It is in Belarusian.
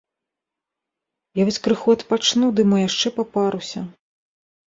Я вось крыху адпачну, ды мо яшчэ папаруся.